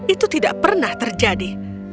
itu tidak pernah terjadi